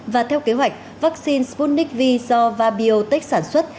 và theo kế hoạch vaccine sputnik v do và biotech sản xuất